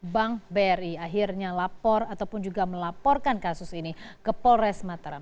bank bri akhirnya lapor ataupun juga melaporkan kasus ini ke polres mataram